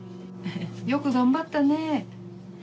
よく頑張ったね。